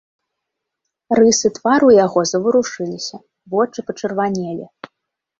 Рысы твару яго заварушыліся, вочы пачырванелі.